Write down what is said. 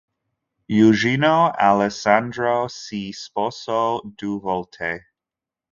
Eugenio Alessandro si sposò due volte.